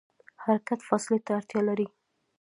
حرکت فاصلې ته اړتیا لري.